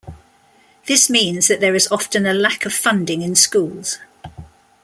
This means that there is often a lack of funding in schools.